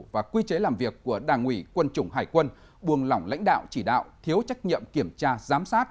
và quy chế làm việc của đảng ủy quân chủng hải quân buông lỏng lãnh đạo chỉ đạo thiếu trách nhiệm kiểm tra giám sát